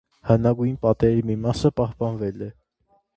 Հնագույն պատերի մի մասը պահպանվել է։